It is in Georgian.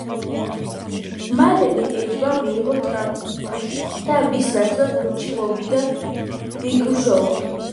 მალევე ეჯმა მიიღო ტრავმა და მის ნაცვლად გუნდში მოვიდა ბიგ შოუ.